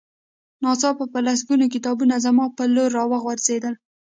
ناڅاپه په لسګونه کتابونه زما په لور را وغورځېدل